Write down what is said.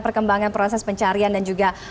perkembangan proses pencarian dan juga